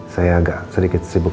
saya agak sedikit sibuk